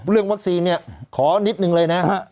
เรื่องวัคซีนขอนิดหนึ่งเลยนะ